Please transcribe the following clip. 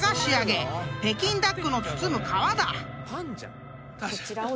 ［北京ダックの包む皮だ］